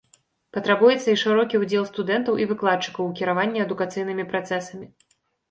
Патрабуецца і шырокі ўдзел студэнтаў і выкладчыкаў у кіраванні адукацыйнымі працэсамі.